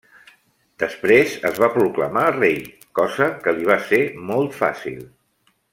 Després es va proclamar rei, cosa que li va ser molt fàcil.